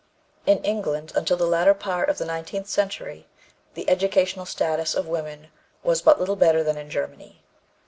In England, until the latter part of the nineteenth century, the educational status of women was but little better than in Germany.